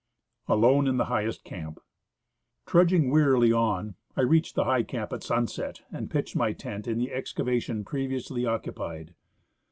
Alone in the highest Camp. Trudging wearily on, I reached the high camp at sunset, and pitched my tent in the excavation previously occupied.